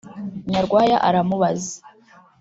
Nyarwaya aramubaza